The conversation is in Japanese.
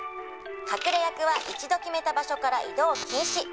「隠れ役は一度決めた場所から移動禁止」